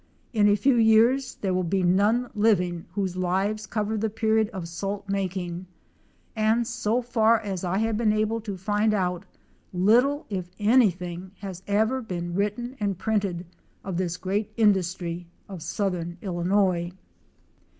In a few years there will be none living whose lives cover the period of salt making. And so far as I have been able to find out little, if anything, has ever been written and printed of this great industry of southern Illinois.